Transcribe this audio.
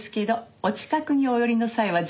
お近くにお寄りの際はぜひ。